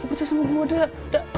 ya percaya sama gua dah